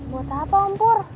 buat apa om pur